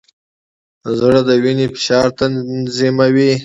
زړه د وینې فشار تنظیموي.